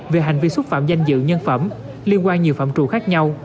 về hành vi xúc phạm danh dự nhân phẩm liên quan nhiều phạm trù khác nhau